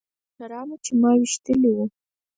له هغو موټرانو چې ما ويشتلي وو.